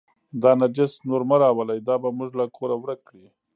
دا نجس نور مه راولئ، دا به موږ له کوره ورک کړي.